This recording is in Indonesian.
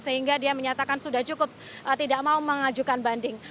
sehingga dia menyatakan sudah cukup tidak mau mengajukan banding